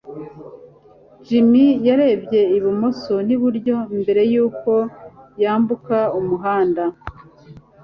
jim yarebye ibumoso n'iburyo mbere yuko yambuka umuhanda